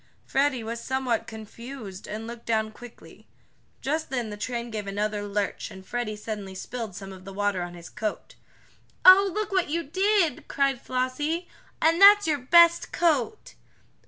Freddie was somewhat confused, and looked down quickly. Just then the train gave another lurch and Freddie suddenly spilled some of the water on his coat. "Oh, look what you did!" cried Flossie. "And that's your best coat!"